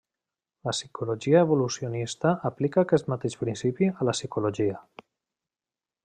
La psicologia evolucionista aplica aquest mateix principi a la psicologia.